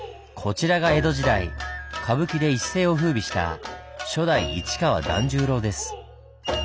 こちらが江戸時代歌舞伎で一世を風靡した初代市川團十郎です。